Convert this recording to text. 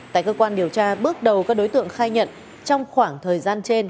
tại cơ quan điều tra bước đầu các đối tượng khai nhận trong khoảng thời gian trên